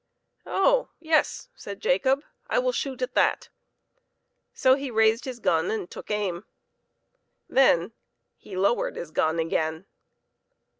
" Oh yes," said Jacob, " I will shoot at that." So he raised his gun and took aim. Then he lowered his gun again.